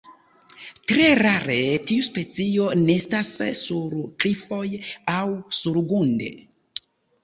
Tre rare tiu specio nestas sur klifoj aŭ surgrunde.